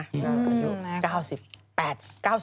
อืม